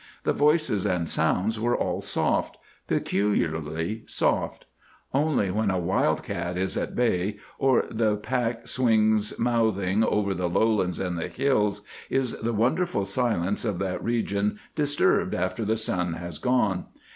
The voices and sounds are all soft—peculiarly soft. Only when a wild cat is at bay, or the pack swings mouthing over the lowlands and the hills, is the wonderful silence of that region disturbed after the sun has gone.